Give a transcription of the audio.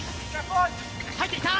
入ってきた。